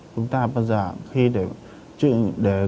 chúng ta bao giờ khi để